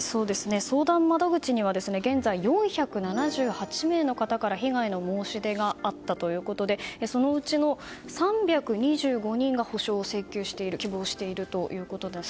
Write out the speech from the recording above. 相談窓口には現在４７８名の方から被害の申し出があったということでそのうちの３２５人が補償を請求している希望しているということです。